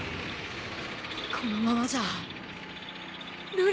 このままじゃ。